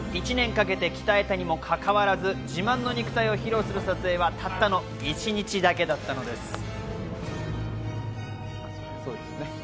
１年かけて鍛えたにもかかわらず、自慢の肉体を披露する撮影はたったの１日だけだったのです。